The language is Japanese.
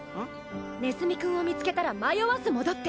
ネズミくんを見つけたら迷わず戻って。